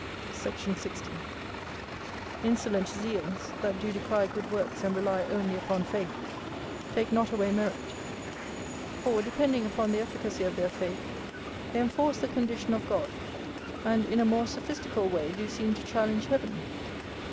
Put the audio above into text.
Sect. 60. Insolent zeals, that do decry good works and rely only upon faith, take not away merit: for, depending upon the efficacy of their faith, they enforce the condition of God, and in a more sophistical way do seem to challenge heaven.